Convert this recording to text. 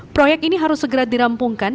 proyek ini harus segera dirampungkan